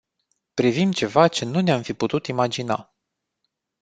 Privim ceva ce nu ne-am fi putut imagina.